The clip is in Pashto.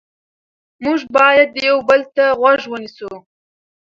موږ باید یو بل ته غوږ ونیسو